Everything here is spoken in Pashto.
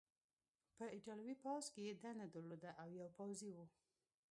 په ایټالوي پوځ کې یې دنده درلودله او یو پوځي و.